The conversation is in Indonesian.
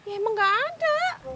emang gak ada